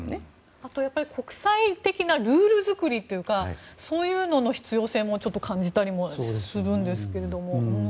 あとは国際的なルール作りというかそういうものの必要性も感じたりするんですけども。